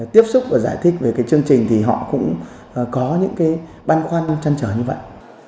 tiếp xúc và giải thích về cái chương trình thì họ cũng có những cái băn khoăn chăn trở như vậy